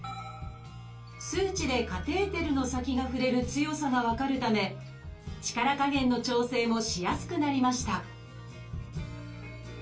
数値でカテーテルの先が触れる強さが分かるため力加減の調整もしやすくなりました